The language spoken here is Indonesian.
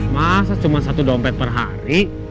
masa cuma satu dompet per hari